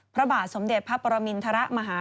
พระบาทสมเด็จพระปรมินทรมาฮา